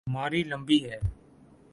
ماری لمبی ہے۔